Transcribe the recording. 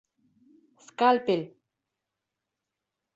- Скальпель!